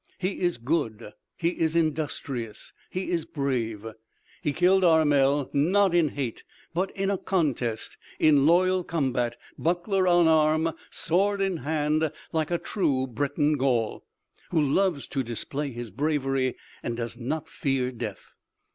He is good, he is industrious, he is brave. He killed Armel not in hate but in a contest, in loyal combat, buckler on arm, sword in hand, like a true Breton Gaul, who loves to display his bravery and does not fear death.